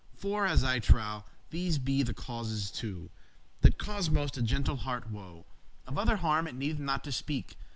For; as I trow,* these be the causes two; *believe That cause most a gentle hearte woe: Of other harm it needeth not to speak.